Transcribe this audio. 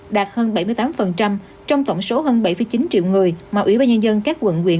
đạt hơn bảy mươi tám trong tổng số hơn bảy chín triệu người mà ủy ban nhân dân các quận quyện